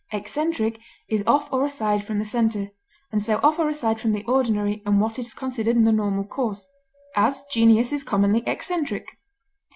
Eccentric is off or aside from the center, and so off or aside from the ordinary and what is considered the normal course; as, genius is commonly eccentric.